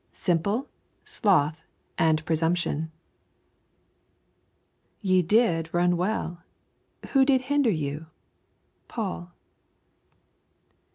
SIMPLE, SLOTH, AND PRESUMPTION 'Ye did run well, who did hinder you?' Paul.